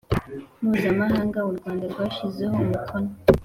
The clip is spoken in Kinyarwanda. Mpuzamahanga u rwanda rwashyizeho umukono